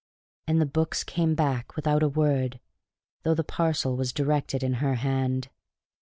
And the books came back without a word, though the parcel was directed in her hand.